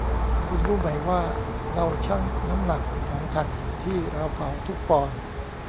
คุณรู้ไหมว่าเราชั่งน้ำหนักของถ่านหินที่เราเผาทุกปอนด์